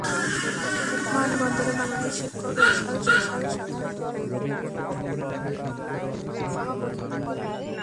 মানববন্ধনে বাংলাদেশ শিক্ষক সমিতি বরিশাল শাখার সভাপতি দাশগুপ্ত আশিস কুমার সভাপতিত্ব করেন।